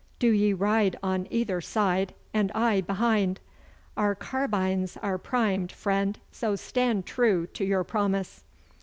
Do ye ride on either side, and I behind! Our carbines are primed, friend, so stand true to your promise!